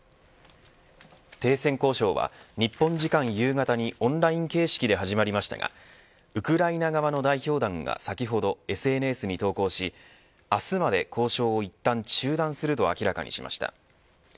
停戦交渉は日本時間夕方にオンライン形式で始まりましたがウクライナ側の代表団が先ほどＳＮＳに投稿し明日まで交渉をいったん中断すると明らかにしました。